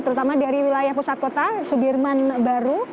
terutama dari wilayah pusat kota sudirman baru